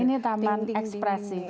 ini taman ekspresi